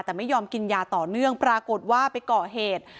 แต่ไม่ยอมกินยาต่อเนื่องปรากฏว่าไปก่อเหตุ